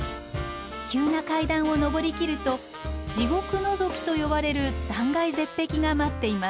急な階段を上りきると地獄のぞきと呼ばれる断崖絶壁が待っています。